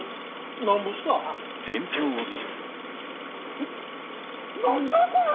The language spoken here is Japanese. えっ何じゃこりゃ！？